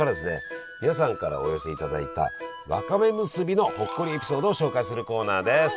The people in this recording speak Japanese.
皆さんからお寄せいただいたわかめむすびのほっこりエピソードを紹介するコーナーです。